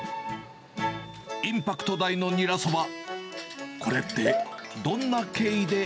インパクト大のニラそば、これっ